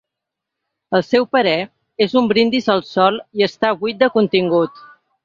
Al seu parer, és un “brindis al sol” i està “buit de contingut”.